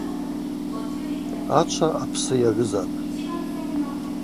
Ачва апсы йгӏвызапӏ.